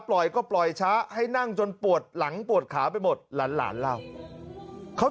ปล่อยก็ปล่อยช้าให้นั่งจนปวดหลังปวดขาไปหมดหลานหลานเล่าเขา